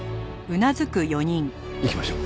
行きましょう。